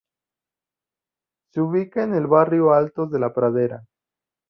Se ubica en el barrio Altos de la Pradera.